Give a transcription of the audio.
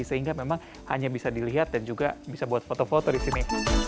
sehingga memang hanya bisa dilihat dan juga bisa buat foto foto di sini